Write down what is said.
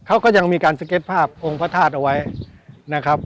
เขาก็ยังมีการสเก็ตภาพองค์พระธาตุเอาไว้นะครับ